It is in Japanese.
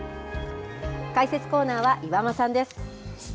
解説コーナーは岩間さんです。